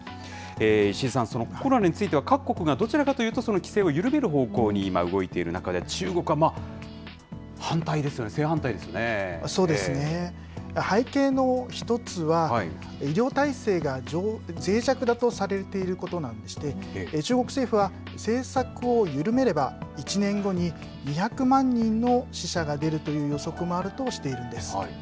石井さん、コロナについては各国が、どちらかというと規制を緩める方向に今動いている中で、中国は反そうですね、背景の１つは、医療体制がぜい弱だとされていることなんでして、中国政府は、政策を緩めれば、１年後に２００万人の死者が出るという予測もあるんです。